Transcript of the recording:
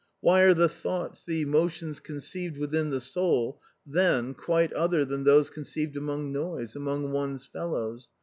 Why aTe the thoughts, the emotions conceived within the soul then quite other than those conceived among noise, among one's fellows